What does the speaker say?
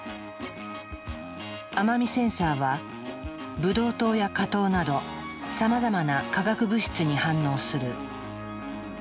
甘味センサーはブドウ糖や果糖などさまざまな化学物質に反応する。